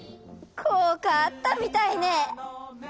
こうかあったみたいね。